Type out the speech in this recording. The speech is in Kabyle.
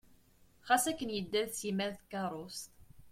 Ɣas akken yedda d Sima deg tkerrust.